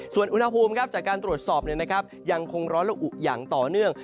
ส่วนอุณหภูมิจากการตรวจสอบยังคงร้อนและอุอย่างต่อเนื่อง